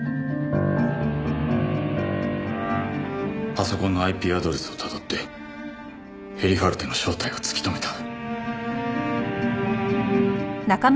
パソコンのＩＰアドレスを辿ってヘリファルテの正体を突き止めた。